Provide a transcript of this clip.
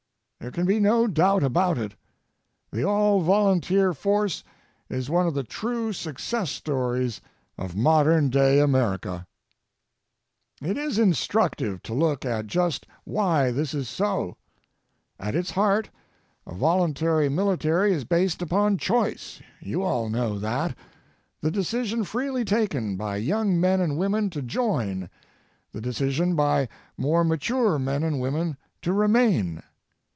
There can be no doubt about it: The All Volunteer Force is one of the true success stories of modern day America. It is instructive to look at just why this is so. At its heart, a voluntary military is based upon choiceŌĆöyou all know thatŌĆöthe decision freely taken by young men and women to join, the decision by more mature men and women to remain.